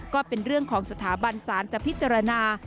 ก็เป็นเรื่องของสถาบันศาลจะพิจารณา